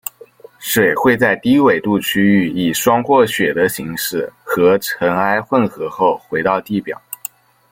水会在低纬度区域以霜或雪的形式和尘埃混合后回到地表。